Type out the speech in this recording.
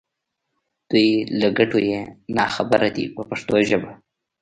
دوی له ګټو یې نا خبره دي په پښتو ژبه.